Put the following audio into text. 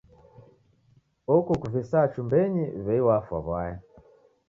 Oko ukuvisaa chumbenyi w'ei wafwa w'aya.